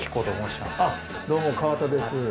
どうも川田です。